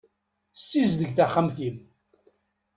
Ssizdeg taxxamt-im.